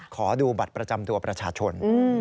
ขอดูบัตรประจำตัวประชาชน